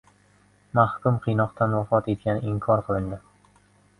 Mahkum qiynoqdan vafot etgani inkor qilindi